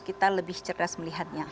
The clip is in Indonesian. kita lebih cerdas melihatnya